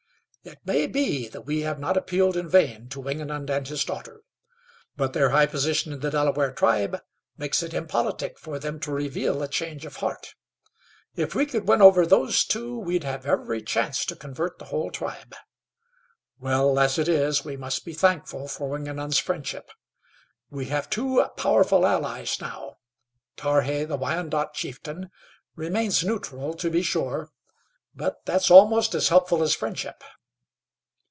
It may be that we have not appealed in vain to Wingenund and his daughter; but their high position in the Delaware tribe makes it impolitic for them to reveal a change of heart. If we could win over those two we'd have every chance to convert the whole tribe. Well, as it is we must be thankful for Wingenund's friendship. We have two powerful allies now. Tarhe, the Wyandot chieftain, remains neutral, to be sure, but that's almost as helpful as his friendship."